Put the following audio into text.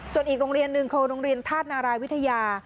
ส่วนอีกโรงเรียนหนึ่งคือโรงเรียนธาตุนารายวิทยา